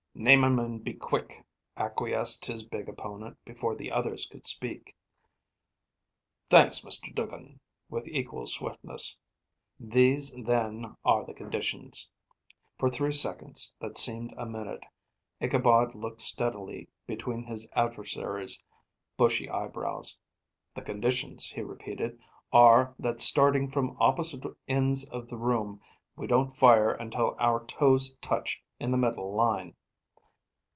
"Name 'm and be quick," acquiesced his big opponent before the others could speak. "Thanks, Mr. Duggin," with equal swiftness. "These, then, are the conditions." For three seconds, that seemed a minute, Ichabod looked steadily between his adversary's bushy eyebrows. "The conditions," he repeated, "are, that starting from opposite ends of the room, we don't fire until our toes touch in the middle line."